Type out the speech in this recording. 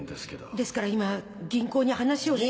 ですから今銀行に話をしに。